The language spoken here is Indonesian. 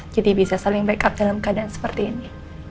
bisa saling backup dalam keadaan seperti ini